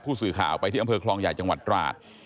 ผู้สื่อข่าวไปที่อำเภอคลองใหญ่จังหวัดตราด